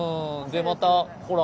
でまたほら。